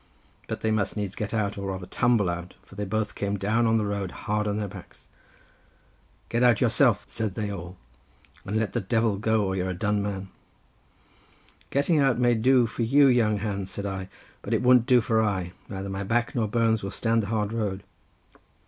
"But they must needs get out, or rather tumble out, for they both came down on the road hard on their backs. "'Get out yourself,' said they all, 'and let the devil go, or you are a done man.' "'Getting out may do for you young hands,' says I, 'but it won't do for I; neither my back nor bones will stand the hard road.